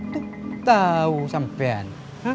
tuh tau sampen